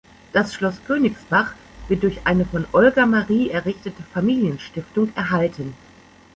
Das Schloss Königsbach wird durch eine von Olga Marie errichtete Familienstiftung erhalten.